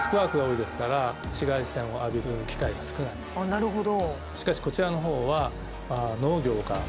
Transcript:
なるほど。